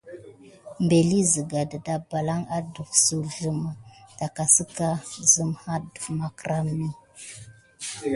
Mbeli sika ɗe daku adef simi iki liok siɗef macra mi.